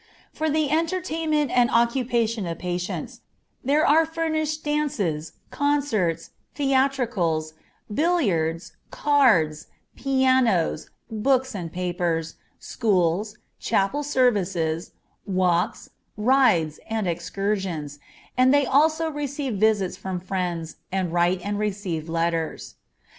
For the entertainment and occupation of patients, there are furnished, dances, concerts, theatricals, billiards, cards, pianos, books and papers, schools, chapel services, walks, rides, and excursions, and they also receive visits from friends, and write and receive letters.